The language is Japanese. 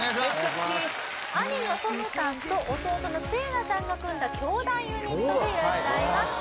兄の十夢さんと弟の聖七さんが組んだ兄弟ユニットでいらっしゃいます兄弟？